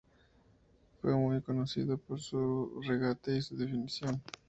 Fue muy conocido por su regate y su definición.